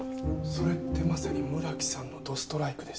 それってまさに村木さんのどストライクです。